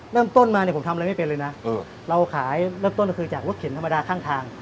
เริ่มต้นมาเนี่ยผมทำอะไรไม่เป็นเลยนะเราขายเริ่มต้นก็คือจากรถเข็นธรรมดาข้างทาง